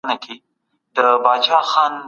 نرکس په خپلو خبرو کي پر اقتصادي وده ټينګار وکړ.